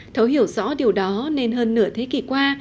thấu hiểu rõ điều đó nên hơn nửa thế kỷ qua